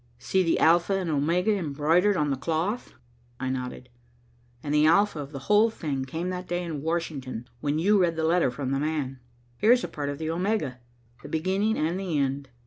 "See the Alpha and Omega embroidered on the altar cloth?" I nodded. "And the Alpha of the whole thing came that day in Washington when you read the letter from 'the man.' Here's a part of the Omega. The beginning and the end.